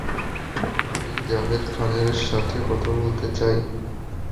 আমি জাভেদ খানের সাথে কথা বলতে চাই।